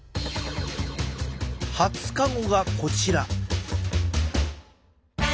２０日後がこちら。